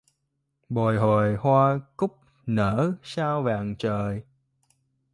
Bồi hồi hoa cúc nở sao vàng trời